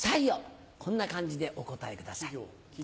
こんな感じでお答えください。